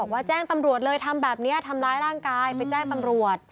ว่าแจ้งตำรวจเลยทำแบบนี้ทำร้ายร่างกายไปแจ้งตำรวจ